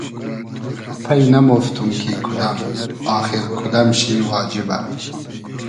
پݷ نئمۉفتوم کی کودئم آخیر کودئم شی واجیبۂ